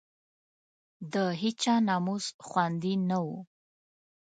د هېچا ناموس خوندي نه وو.